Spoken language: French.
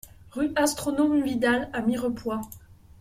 Rue Astronome Vidal à Mirepoix